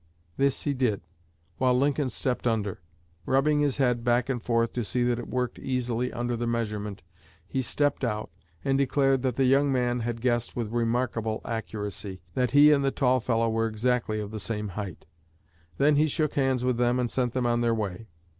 This he did, while Lincoln stepped under. Rubbing his head back and forth to see that it worked easily under the measurement, he stepped out, and declared that the young man had guessed with remarkable accuracy that he and the tall fellow were exactly of the same height. Then he shook hands with them and sent them on their way.